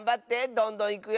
どんどんいくよ。